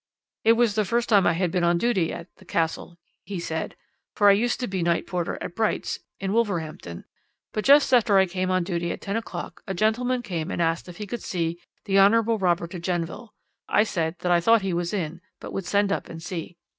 "'It was the first time I had been on duty at "The Castle," he said, 'for I used to be night porter at "Bright's," in Wolverhampton, but just after I had come on duty at ten o'clock a gentleman came and asked if he could see the Hon. Robert de Genneville. I said that I thought he was in, but would send up and see.